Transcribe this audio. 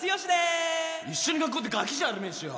一緒に学校ってがきじゃあるめえしよ